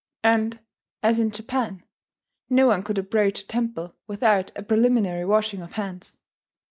And, as in Japan, no one could approach a temple without a preliminary washing of hands.